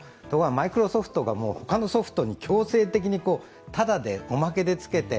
マイクロソフトがほかのソフトに強制的にただで、おまけでつけて